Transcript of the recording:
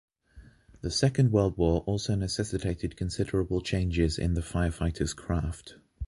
The second World War also necessitated considerable changes in the firefighters’ craft.